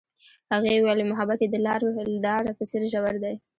هغې وویل محبت یې د لاره په څېر ژور دی.